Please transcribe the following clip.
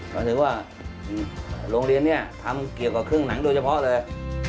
ก็ถือว่าโรงเรียนนี้ทำเกี่ยวกับเครื่องหนังโดยเฉพาะเลย